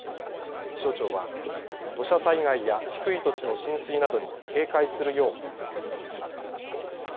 気象庁は土砂災害や低い土地の浸水などに警戒するよう呼びかけています。